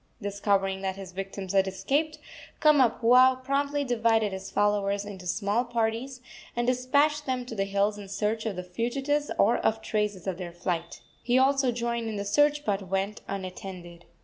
Discovering that his victims had escaped, Kamapuaa promptly divided his followers into small parties, and despatched them to the hills in search of the fugitives or of traces of their flight. He also joined in the search, but went unattended.